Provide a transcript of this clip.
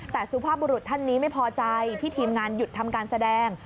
แต่สุภาพบุรุษท่านนี้ไม่พอใจที่ทีมงานหยุดทำการแสดง